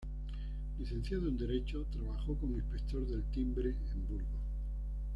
Licenciado en Derecho, trabajó como inspector del timbre en Burgos.